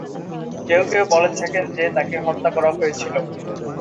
কেউ কেউ বলে থাকেন যে, তাকে হত্যা করা হয়েছিল।